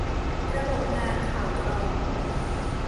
ระบบงานข่าวกรอง